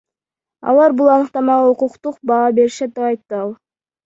Алар бул аныктамага укуктук баа беришет, — деп айтты ал.